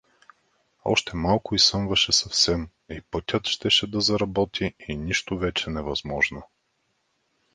Още малко и съмваше съвсем, и пътят щеше да заработи, и нищо, вече невъзможно!